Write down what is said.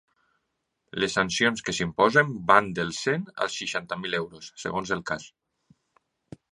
Les sancions que s’imposen van dels cent als seixanta mil euros, segons el cas.